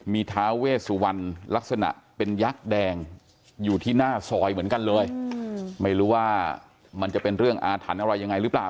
มีท้าเวสุวรรณลักษณะเป็นยักษ์แดงอยู่ที่หน้าซอยเหมือนกันเลยไม่รู้ว่ามันจะเป็นเรื่องอาถรรพ์อะไรยังไงหรือเปล่า